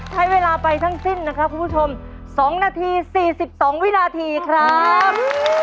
ใช้เวลาไปทั้งสิ้นนะครับคุณผู้ชม๒นาที๔๒วินาทีครับ